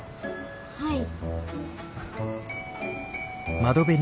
はい。